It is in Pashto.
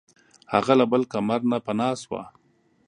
هغه له بل کمر نه پناه شوه.